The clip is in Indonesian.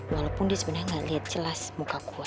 walaupun dia sebenernya gak liat jelas muka gue